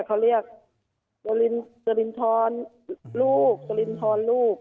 เขาเรียกจรินทรลูกสลินทรลูก